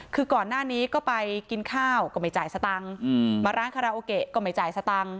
คือก่อนหน้านี้ก็ไปกินข้าวก็ไม่จ่ายสตังค์มาร้านคาราโอเกะก็ไม่จ่ายสตังค์